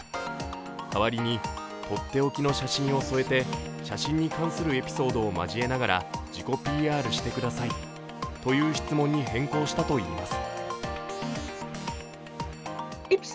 代わりに、とっておきの写真を添えて、写真に関するエピソードを交えながら自己ＰＲしてくださいという質問に変更したといいます。